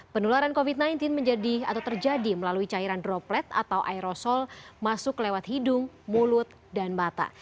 penularan covid sembilan belas menjadi atau terjadi melalui cairan droplet atau aerosol masuk lewat hidung mulut dan mata